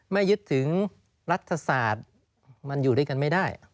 ไม่ยึดถึงรัฐศาสตร์มันอยู่ด้วยกันไม่ได้